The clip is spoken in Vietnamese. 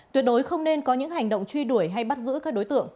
tuyệt đối không nên có những hành động truy đuổi hay bắt giữ các đối tượng